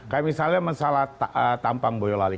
kayak misalnya masalah tampang boyolali